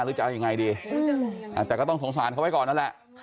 จะเอายังไงดีแต่ก็ต้องสงสารเขาไว้ก่อนนั่นแหละ